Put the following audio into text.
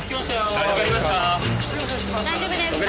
大丈夫ですか？